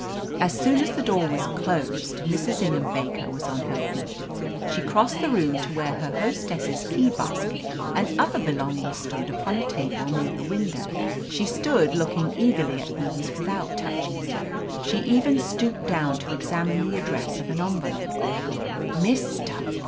As soon as the door was closed Mrs. Ingham Baker was on her feet. She crossed the room to where her hostess's key basket and other belongings stood upon a table near the window. She stood looking eagerly at these without touching them. She even stooped down to examine the address of an envelope. "Mr.